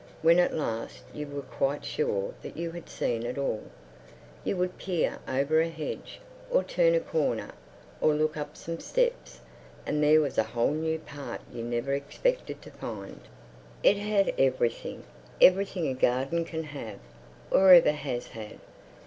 When at last you were quite sure that you had seen it all, you would peer over a hedge, or turn a corner, or look up some steps, and there was a whole new part you never expected to find. It had everything—everything a garden can have, or ever has had.